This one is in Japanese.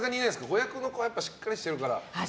子役の子はしっかりしてるから。